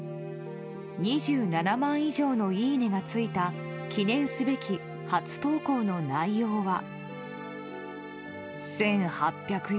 ２７万以上のいいねがついた記念すべき初投稿の内容は。